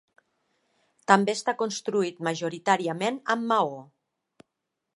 També està construït majoritàriament amb maó.